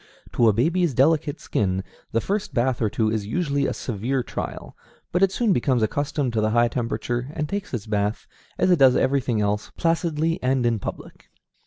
To a baby's delicate skin, the first bath or two is usually a severe trial, but it soon becomes accustomed to the high temperature, and takes its bath, as it does everything else, placidly and in public.